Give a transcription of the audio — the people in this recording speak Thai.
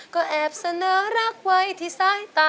ก็แอบเสนอรักไว้ที่สายตา